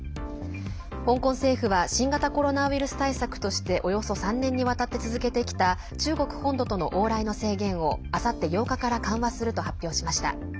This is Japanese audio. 香港政府は新型コロナウイルス対策としておよそ３年にわたって続けてきた中国本土との往来の制限をあさって８日から緩和すると発表しました。